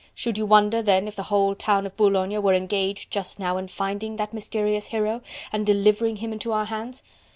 Should you wonder then if the whole town of Boulogne were engaged just now in finding that mysterious hero, and delivering him into our hands?...